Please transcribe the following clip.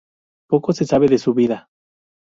Poco se sabe de su vida.